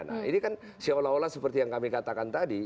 nah ini kan seolah olah seperti yang kami katakan tadi